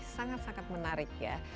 sangat sangat menarik ya